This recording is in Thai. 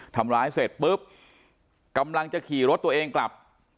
ทำร้ายเสร็จปุ๊บกำลังจะขี่รถตัวเองกลับ